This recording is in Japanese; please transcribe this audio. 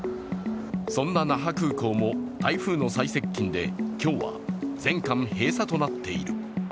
そんな那覇空港も台風の最接近で、今日は全館閉鎖となっている。